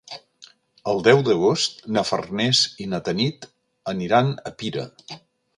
El deu d'agost na Farners i na Tanit aniran a Pira.